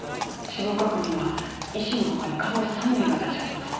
死亡確認は医師の他に看護師３名が立ち会ってます。